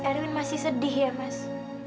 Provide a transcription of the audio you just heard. erwin masih sedih ya mas